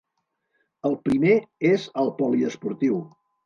El primer és al poliesportiu.